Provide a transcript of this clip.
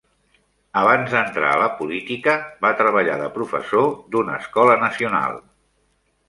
Abans d'entrar a la política va treballar de professor d"una escola nacional.